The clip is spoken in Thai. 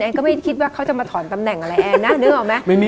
แอนก็ไม่คิดว่าเขาจะมาถอนตำแหน่งอะไรแอนนะ